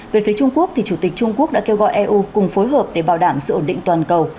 về phía trung quốc chủ tịch trung quốc đã kêu gọi eu cùng phối hợp để bảo đảm sự ổn định toàn cầu